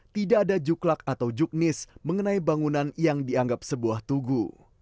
tidak ada juklak atau juknis mengenai bangunan yang dianggap sebuah tugu